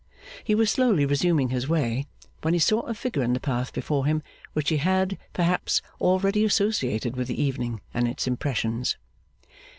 He was slowly resuming his way, when he saw a figure in the path before him which he had, perhaps, already associated with the evening and its impressions.